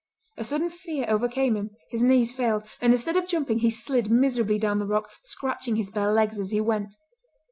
A sudden fear overcame him; his knees failed, and instead of jumping he slid miserably down the rock, scratching his bare legs as he went.